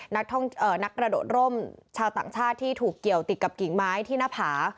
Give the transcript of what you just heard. นักกระโดดร่มชาวต่างชาติที่ถูกเกี่ยวติดกับกิ่งไม้ที่หน้าผา